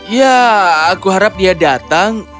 ya aku harap dia datang